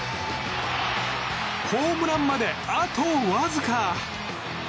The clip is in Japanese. ホームランまで、あとわずか。